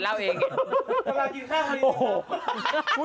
เช็ดแรงไปนี่